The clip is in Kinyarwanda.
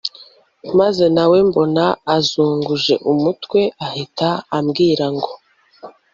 maze nawe mbona azunguje umutwe ahita ambwira ngo